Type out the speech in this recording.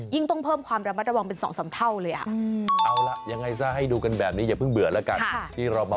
ต้องเพิ่มความระมัดระวังเป็น๒๓เท่าเลย